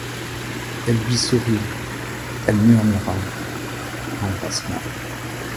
Elle lui sourit, elle murmura :— Embrasse-moi.